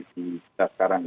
di saat sekarang